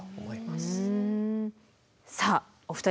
さあお二人